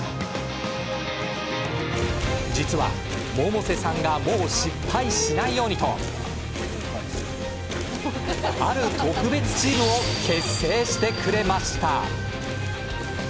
実は、百瀬さんがもう失敗しないようにある特別チームを結成してくれました。